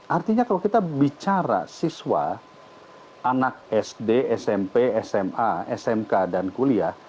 artinya kalau kita bicara siswa anak sd smp sma smk dan kuliah